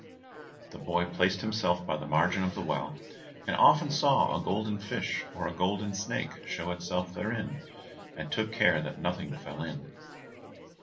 The boy placed himself by the margin of the well, and often saw a golden fish or a golden snake show itself therein, and took care that nothing fell in.